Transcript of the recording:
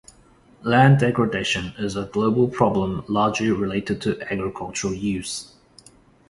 Land degradation is a global problem largely related to agricultural use.